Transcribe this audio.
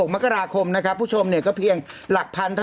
มักราคมนะครับพี่ชมเนี่ยก็เพหนรสชูปิงลักษณะ